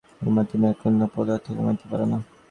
কোনমতেই তুমি এক কণা পদার্থ কমাইতে পার না।